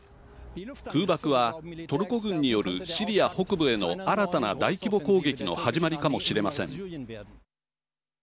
空爆は、トルコ軍によるシリア北部への新たな大規模攻撃の始まりかもしれません。